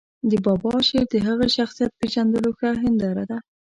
د بابا شعر د هغه شخصیت پېژندلو ښه هنداره ده.